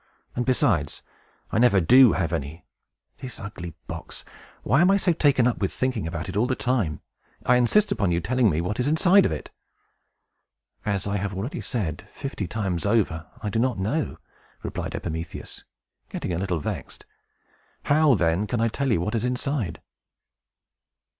"And, besides, I never do have any. This ugly box! I am so taken up with thinking about it all the time. I insist upon your telling me what is inside of it." [Illustration: PANDORA WONDERS AT THE BOX] "As I have already said, fifty times over, I do not know!" replied Epimetheus, getting a little vexed. "How, then, can I tell you what is inside?"